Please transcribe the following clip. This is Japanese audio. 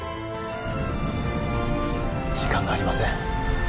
時間がありません